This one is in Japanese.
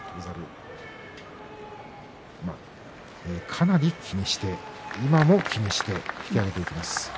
かなり気にして今も気にして引き揚げていきます。